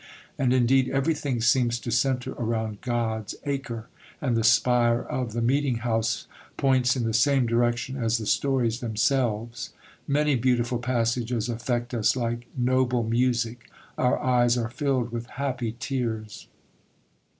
And indeed everything seems to centre around God's acre, and the spire of the meeting house points in the same direction as the stories themselves. Many beautiful passages affect us like noble music; our eyes are filled with happy tears.